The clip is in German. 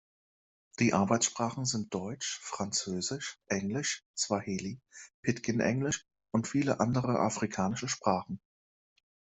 Die Arbeitssprachen sind Deutsch, Französisch, Englisch, Swahili, Pidgin-Englisch und viele andere afrikanische Sprachen.